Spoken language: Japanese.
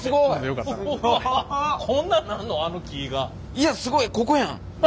いやすごいここやん！